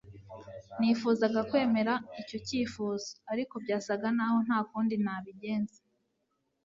sinifuzaga kwemera icyo cyifuzo, ariko byasaga naho nta kundi nabigenza